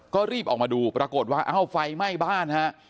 ก็รีบออกมาดูปรากฏว่าเอ้าไฟไหม้บ้านฮะ